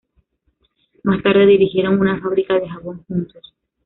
Más tarde dirigieron una fábrica de jabón juntos.